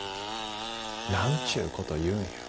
なんちゅうことを言うんや。